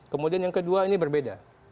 kemudian yang kedua ini berbeda